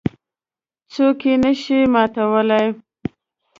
څوک یې نه شي ماتولای.